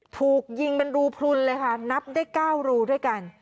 ถูกยิงเป็นรูพลุนเลยค่ะนับได้๙รูด้วยกัน